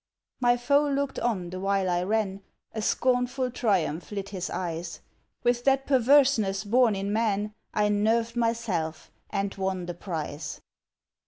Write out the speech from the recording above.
My foe looked on the while I ran; A scornful triumph lit his eyes. With that perverseness born in man, I nerved myself, and won the prize.